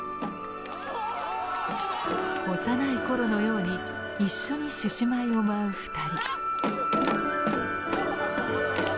幼い頃のように一緒に獅子舞を舞う２人。